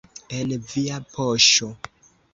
En via poŝo.